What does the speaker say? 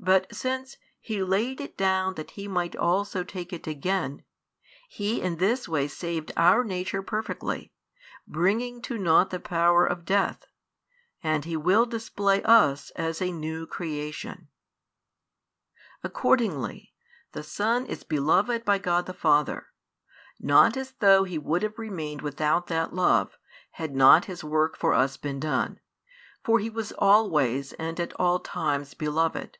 But since He laid it down that He might also take it again, He in this way saved our nature perfectly, bringing to naught the power of death; and He will display us as a new creation. Accordingly, the Son is beloved by God the Father; not as though He would have remained without that love, had not His work for us been done; for He was always and at all times beloved.